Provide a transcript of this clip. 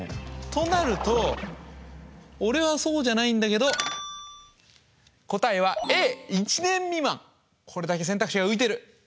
となると俺はそうじゃないんだけど答えはこれだけ選択肢が浮いてる。